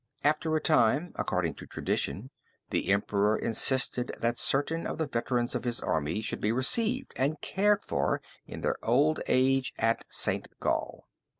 After a time according to tradition, the emperor insisted that certain of the veterans of his army should be received and cared for in their old age at St. Gall.